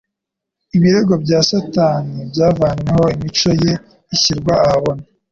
Ibirego bya Satani byavanyweho. Imico ye ishyirwa ahabona.